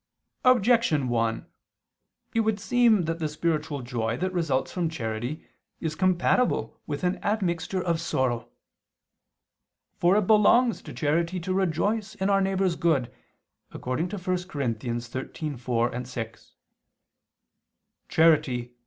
Objection 1: It would seem that the spiritual joy that results from charity is compatible with an admixture of sorrow. For it belongs to charity to rejoice in our neighbor's good, according to 1 Cor. 13:4, 6: "Charity